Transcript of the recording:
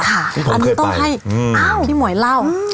อันนี้ต้องให้พี่หมวยเล่า